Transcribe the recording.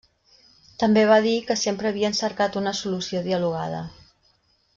També va dir que sempre havien cercat una solució dialogada.